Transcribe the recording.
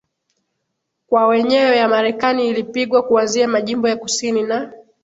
kwa wenyewe ya Marekani ilipigwa kuanzia majimbo ya kusini na